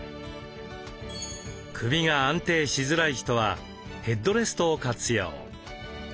首が安定しづらい人はヘッドレストを活用。